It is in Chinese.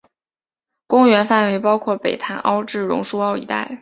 公园范围包括北潭凹至榕树澳一带。